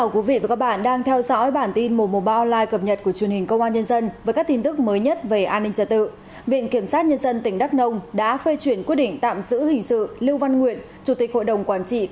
cảm ơn các bạn đã theo dõi